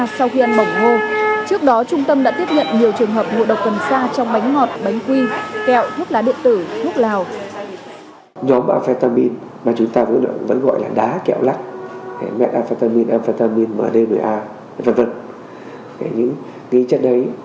trong thời gian gần đây trung tâm đã tiếp nhận nhiều trường hợp ngộ độc cần sa trong b dement chi amount thuốc cho ba tù thuộc với một con người và một con đứa với một con người